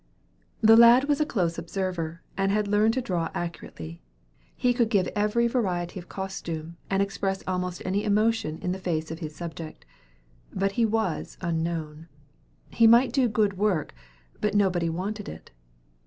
The lad was a close observer, and had learned to draw accurately. He could give every variety of costume, and express almost any emotion in the face of his subject. But he was unknown. He might do good work, but nobody wanted it.